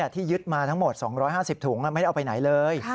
ที่ยึดมาทั้งหมด๒๕๐ถุงไม่ได้เอาไปไหนเลย